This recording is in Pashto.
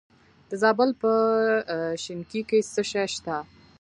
د زابل په شنکۍ کې څه شی شته؟